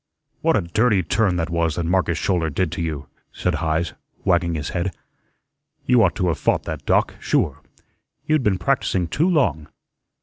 "What a dirty turn that was that Marcus Schouler did you!" said Heise, wagging his head. "You ought to have fought that, Doc, sure. You'd been practising too long."